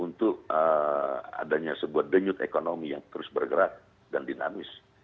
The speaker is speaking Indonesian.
untuk adanya sebuah denyut ekonomi yang terus bergerak dan dinamis